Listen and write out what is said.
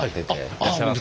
いらっしゃいませ。